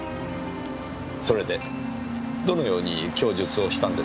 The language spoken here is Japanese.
それでどのように供述をしたんですか？